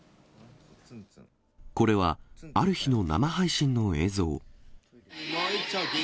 これは、ある日の生配信の映像。